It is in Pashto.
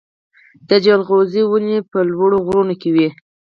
د جلغوزیو ونې په لوړو غرونو کې وي.